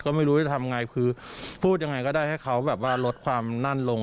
ก็ไม่รู้จะทำไงคือพูดยังไงก็ได้ให้เขาแบบว่าลดความนั่นลง